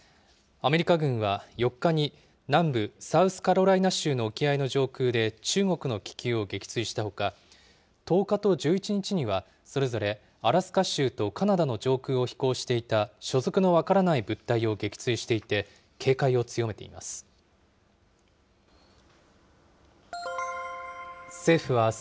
アメリカ軍は４日に南部サウスカロライナ州の沖合の上空で、中国の気球を撃墜したほか、１０日と１１日には、それぞれアラスカ州とカナダの上空を飛行していた所属の分からない物体を撃墜していて、警戒を強めています。